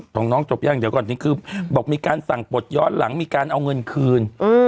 น้องจบยังเดี๋ยวก่อนถึงคือบอกมีการสั่งปลดย้อนหลังมีการเอาเงินคืน